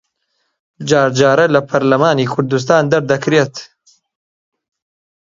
جار جارە لە پەرلەمانی کوردستان دەردەکرێت